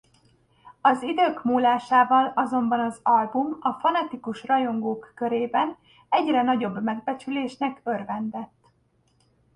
Az idők múlásával azonban az album a fanatikus rajongók körében egyre nagyobb megbecsülésnek örvendett.